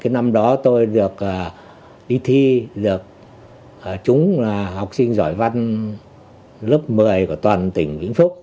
năm đó tôi được đi thi được chúng là học sinh giỏi văn lớp một mươi của toàn tỉnh vĩnh phúc